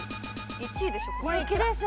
１位でしょ。